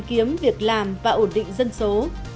tìm kiếm việc làm và ổn định dân số